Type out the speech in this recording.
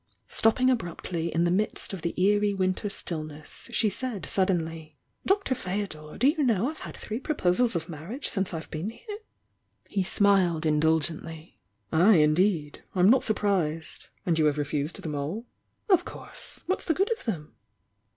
Stopping abruptly in the midst of the eene winter stiUness she said suddenly: "Dr. Feodor, do you know I've had three pro posals of marriage since I've been here?" He smiled indulgently. "Ay, indeed! I'm not surprised! And you have refused them aU?" ' "Of course! What's the good of them?"